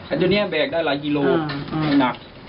อันนี้แบกได้หลายกิโลเมตรบนมัก